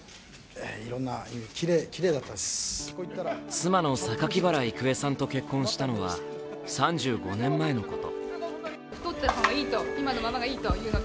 妻の榊原郁恵さんと結婚したのは３５年前のこと。